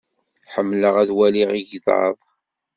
Ḥemmleɣ ad waliɣ igḍaḍ.